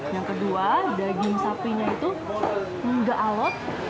yang kedua daging sapinya itu enggak alot